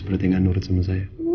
berarti nggak nurut sama saya